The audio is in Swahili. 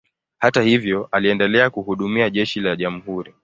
Hata hivyo, aliendelea kuhudumia jeshi la jamhuri.